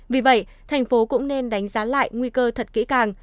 vì vậy thành phố cũng nên đánh giá lại nguy cơ thật kỹ càng